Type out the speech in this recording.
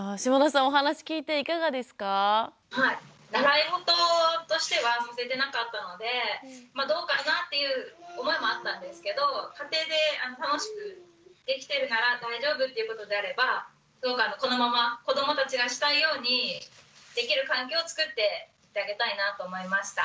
習い事としてはさせてなかったのでまあどうかなっていう思いもあったんですけど家庭で楽しくできてるなら大丈夫ということであればこのまま子どもたちがしたいようにできる環境をつくっていってあげたいなと思いました。